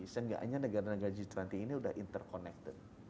seenggaknya negara negara g dua puluh ini sudah interconnected